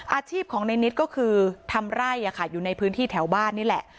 อาชีพของในนิดก็คือทำไร่อยู่ในพื้นที่แถวบ้านนี่แหละ